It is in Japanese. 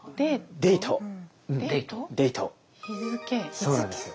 そうなんですよ。